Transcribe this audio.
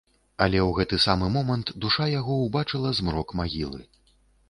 Але ў гэты самы момант душа яго ўбачыла змрок магілы.